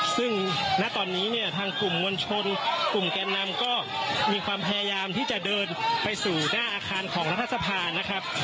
ซึ่งณตอนนี้เนี่ยทางกลุ่มมวลชนกลุ่มแกนนำก็มีความพยายามที่จะเดินไปสู่หน้าอาคารของรัฐสภานะครับ